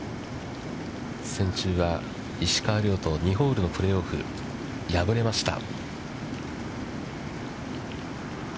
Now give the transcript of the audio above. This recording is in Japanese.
先週は石川遼と２ホールをプレーオフして敗れました。